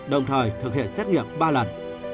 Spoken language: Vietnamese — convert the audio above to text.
đồng thời thực hiện xét nghiệm ba lần